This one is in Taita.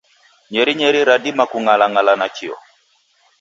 Nyerinyeri radima kung'alang'ala nakio.